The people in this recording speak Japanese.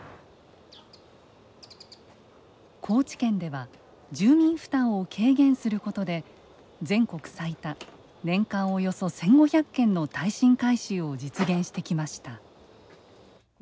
高知県では住民負担を軽減することで全国最多年間およそ１，５００件の耐震改修を実現してきました。